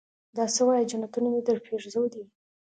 دا سه وايې جنتونه مې درپېرزو دي.